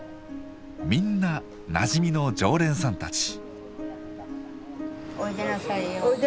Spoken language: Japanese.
みんななじみの常連さんたち。